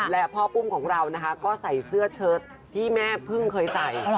และพ่อปุ้มของเรานะคะก็ใส่เสื้อเชิดที่แม่พึ่งเคยใส่